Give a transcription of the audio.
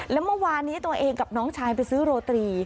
แล้วเมื่อวานนี้ตัวเองกับน้องชายไปซื้อโรตรี